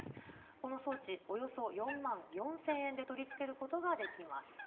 この装置、およそ４万４０００円で取り付けることができます。